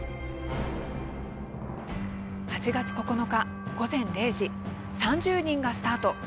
８月９日、午前０時３０人がスタート。